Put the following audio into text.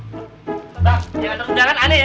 tetap jangan terus jalan aneh ya